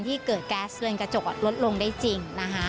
ที่เกิดแก๊สเริ่มกระจกลดลงได้จริง